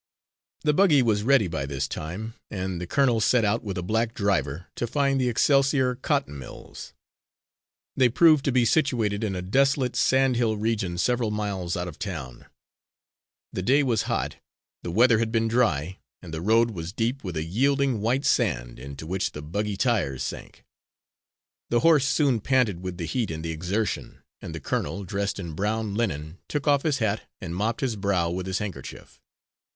The buggy was ready by this time, and the colonel set out, with a black driver, to find the Excelsior Cotton Mills. They proved to be situated in a desolate sandhill region several miles out of town. The day was hot; the weather had been dry, and the road was deep with a yielding white sand into which the buggy tires sank. The horse soon panted with the heat and the exertion, and the colonel, dressed in brown linen, took off his hat and mopped his brow with his handkerchief.